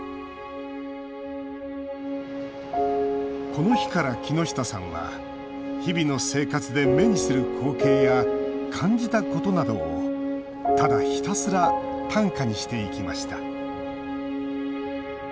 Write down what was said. この日から、木下さんは日々の生活で目にする光景や感じたことなどを、ただひたすら短歌にしていきました。